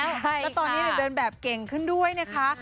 แล้วตอนนี้เดินแบบเก่งขึ้นด้วยนะคะ